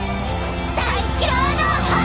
「最強の矛」！